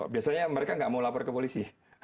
biasanya mereka nggak mau lapor ke polisi